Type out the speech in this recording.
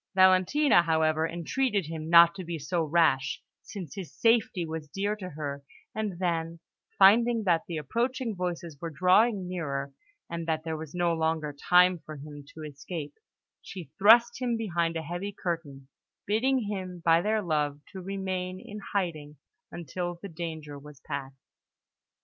Valentina, however, entreated him not to be so rash, since his safety was dear to her; and then, finding that the approaching voices were drawing nearer, and that there was no longer time for him to escape, she thrust him behind a heavy curtain, bidding him, by their love, to remain in hiding until the danger was past.